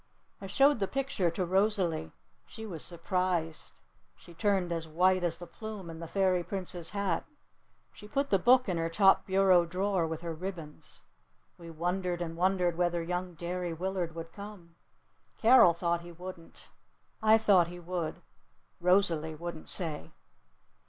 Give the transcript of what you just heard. I showed the picture to Rosalee. She was surprised. She turned as white as the plume in the Fairy Prince's hat. She put the book in her top bureau drawer with her ribbons. We wondered and wondered whether young Derry Willard would come. Carol thought he wouldn't. I thought he would. Rosalee wouldn't say.